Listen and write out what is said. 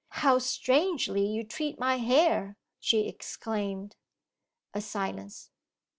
'How strangely you treat my hair!' she exclaimed. A silence.